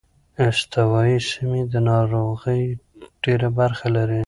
استوايي سیمې د ناروغۍ ډېره برخه لري.